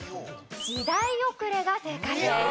時代遅れが正解です。